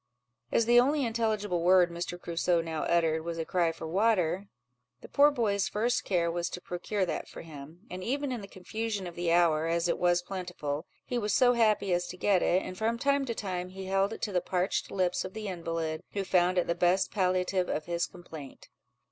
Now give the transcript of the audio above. As the only intelligible word Mr. Crusoe now uttered was a cry for water, the poor boy's first care was to procure that for him; and even in the confusion of the hour, as it was plentiful, he was so happy as to get it, and from time to time he held it to the parched lips of the invalid, who found it the best palliative of his complaint.